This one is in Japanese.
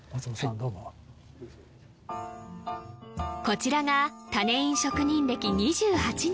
どうもこちらが種印職人歴２８年